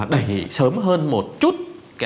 đẩy sớm hơn một chút